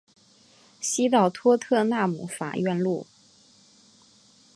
西到托特纳姆法院路。